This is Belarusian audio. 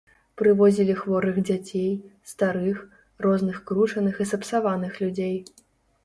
Прывозілі хворых дзяцей, старых, розных кручаных і сапсаваных людзей.